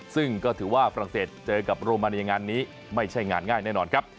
ซึ่งก็ถือว่าฝรั่งเศสเจอกับโรมาเนียงานนี้ไม่ใช่งานง่ายแน่นอนครับ